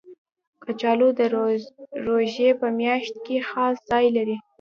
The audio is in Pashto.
کچالو د روژې په میاشت کې خاص ځای لري